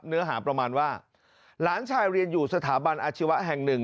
เนื้อหาประมาณว่าหลานชายเรียนอยู่สถาบันอาชีวะแห่งหนึ่ง